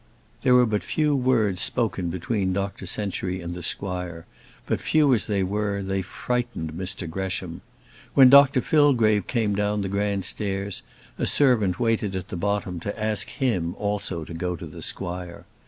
There were but few words spoken between Dr Century and the squire; but few as they were, they frightened Mr Gresham. When Dr Fillgrave came down the grand stairs, a servant waited at the bottom to ask him also to go to the squire.